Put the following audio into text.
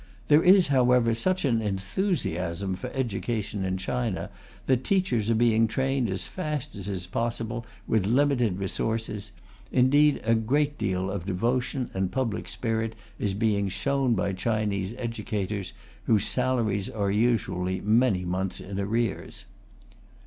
There is, however, such an enthusiasm for education in China that teachers are being trained as fast as is possible with such limited resources; indeed a great deal of devotion and public spirit is being shown by Chinese educators, whose salaries are usually many months in arrears.